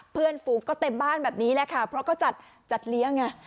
ฟูก็เต็มบ้านแบบนี้แหละค่ะเพราะเขาจัดเลี้ยงไง